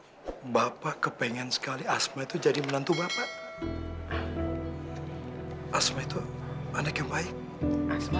hai bapak kepingin sekali asma itu jadi menantu bapak asma itu anak yang baik semua